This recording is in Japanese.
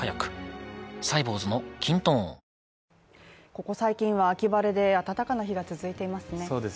ここ最近は秋晴れで、暖かな日が続いていますね。